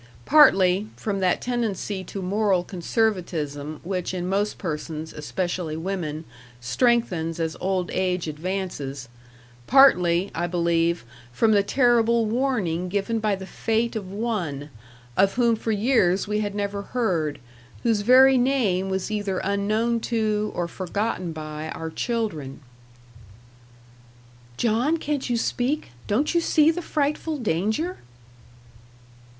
Partly, from that tendency to moral conservatism which in most persons, especially women, strengthens as old age advances; partly, I believe, from the terrible warning given by the fate of one of whom for years we had never heard whose very name was either unknown to, or forgotten by, our children. "John, can't you speak? Don't you see the frightful danger?"